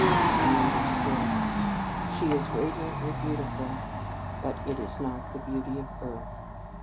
And, later still: "She is radiantly beautiful; but it is not the beauty of earth....